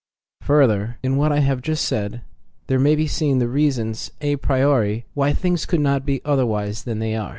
Further, in what I have just said there may be seen the reasons a priori why things could not be other wise than they are.